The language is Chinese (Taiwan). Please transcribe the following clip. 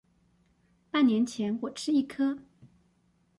半年前我吃一顆